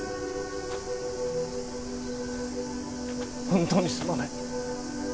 本当にすまない。